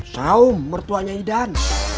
saum mertuanya idan